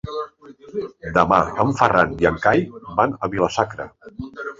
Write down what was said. Demà en Ferran i en Cai van a Vila-sacra.